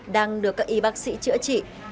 đang được các y bác sĩ chữa trị